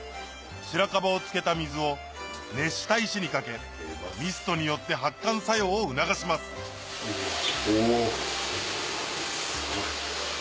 白樺をつけた水を熱した石にかけミストによって発汗作用を促しますおぉすごい。